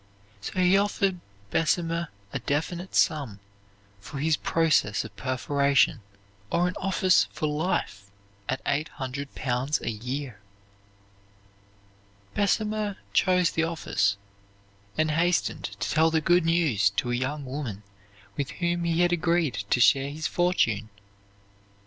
So he offered Bessemer a definite sum for his process of perforation, or an office for life at eight hundred pounds a year. Bessemer chose the office, and hastened to tell the good news to a young woman with whom he had agreed to share his fortune.